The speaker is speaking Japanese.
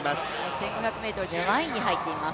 １５００ｍで７位に入っています。